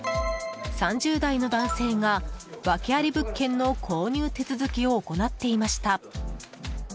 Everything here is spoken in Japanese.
３０代の男性が訳あり物件の購入手続きを行っていました。